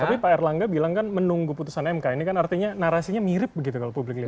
tapi pak erlangga bilang kan menunggu putusan mk ini kan artinya narasinya mirip begitu kalau publik lihat